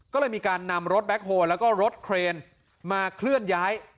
ก็เลยมีการนำรถแบ็คโฮลแล้วก็รถเครนมาเคลื่อนย้าย